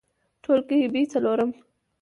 ټولګى : ب څلورم